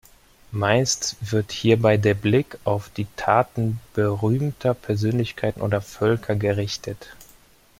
Meist wird hierbei der Blick auf die Taten berühmter Persönlichkeiten oder Völker gerichtet.